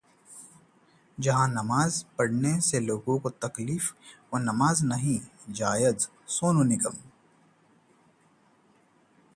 जहां नमाज पढ़ने से लोगों को तकलीफ, वो नमाज नहीं है जायज: सोनू निगम